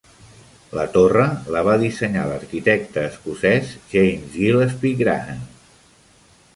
La torre la va dissenyar l'arquitecte escocès James Gillespie Graham.